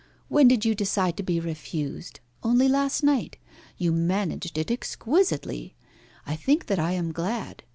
When did you decide to be refused? Only last night. You managed it exquisitely. I think that I am glad.